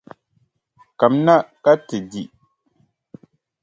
Kamina ka ti di.